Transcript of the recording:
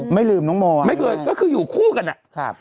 ไม่ลืมน้องโมอ่ะไม่เคยก็คืออยู่คู่กันอ่ะครับ